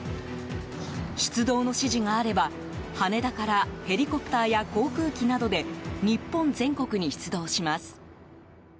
出動の指示があれば羽田からヘリコプターや航空機などで日本全国に出動します。